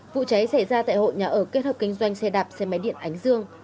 vụ cháy xảy ra tại hội nhà ở kết hợp kinh doanh xe đạp xe máy điện ánh dương